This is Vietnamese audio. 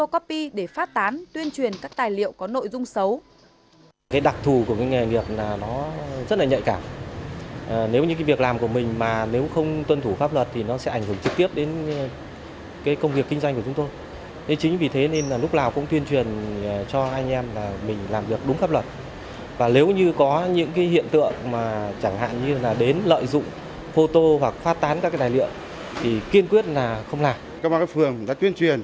các chủ cơ sở sẽ tự in photocopy để phát tán tuyên truyền các tài liệu có nội dung xấu